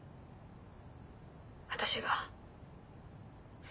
私が。